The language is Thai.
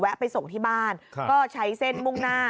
ไปส่งที่บ้านก็ใช้เส้นมุ่งหน้า